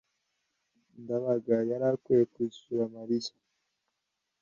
ndabaga yari akwiye kwishyura mariya. (jgauthier